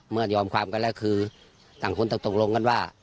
ยอมความกันแล้วคือต่างคนต่างตกลงกันว่า